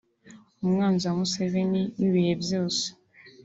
umwanzi wa Museveni w’ibihe byose